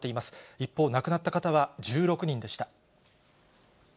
一方、亡くなった方は１６人でした。